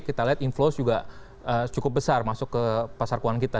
kita lihat inflow juga cukup besar masuk ke pasar keuangan kita